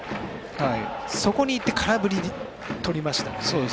そこにいって空振りにとりましたね。